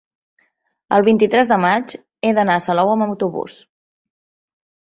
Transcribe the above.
el vint-i-tres de maig he d'anar a Salou amb autobús.